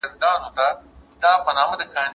ولي هوډمن سړی د ذهین سړي په پرتله هدف ترلاسه کوي؟